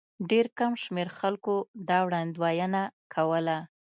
ډېر کم شمېر خلکو دا وړاندوینه کوله.